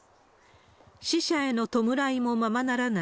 死者への弔いもままならない